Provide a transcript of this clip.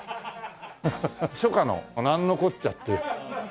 初夏の「なんのこっちゃ」っていう。